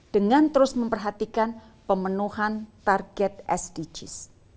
dengan terus memperhatikan pemenuhan target sdgs